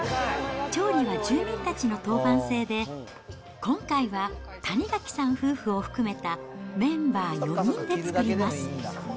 調理は住民たちの当番制で、今回は谷垣さん夫婦を含めたメンバー４人で作ります。